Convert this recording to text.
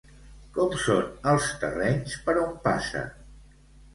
Com són els terrenys per on passa?